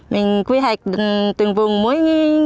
mình quy hoạch từng vùng mỗi